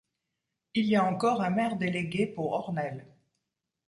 Il y a encore un maire délégué pour Ornel.